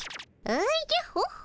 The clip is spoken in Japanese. おじゃホッホ。